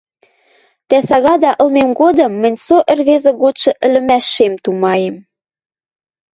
— Тӓ сагада ылмем годым мӹнь со ӹрвезӹ годшы ӹлӹмӓшем тумаем.